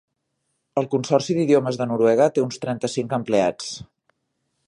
El consorci d'idiomes de Noruega té uns trenta-cinc empleats.